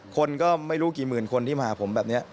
คนก็ไม่รู้กี่หมื่นคนที่มาหาผมแบบนี้